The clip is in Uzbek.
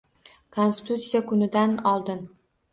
Konstitutsiya kunidan oldin